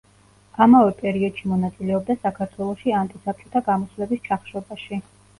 ამავე პერიოდში მონაწილეობდა საქართველოში ანტი-საბჭოთა გამოსვლების ჩახშობაში.